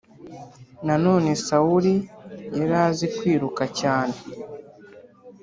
Nanone Sawuli yari azi kwiruka cyane